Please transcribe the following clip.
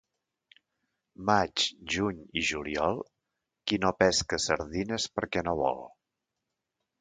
Maig, juny i juliol, qui no pesca sardina és perquè no vol.